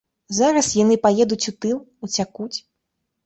Зараз яны паедуць у тыл, уцякуць.